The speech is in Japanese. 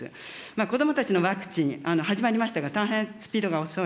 子どもたちのワクチン、始まりましたが、大変スピードが遅い。